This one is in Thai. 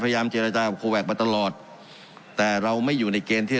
พยายามเจรจากับโคแวคมาตลอดแต่เราไม่อยู่ในเกณฑ์ที่